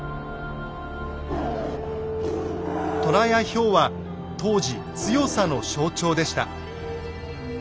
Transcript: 虎やヒョウは当時強さの象徴でした。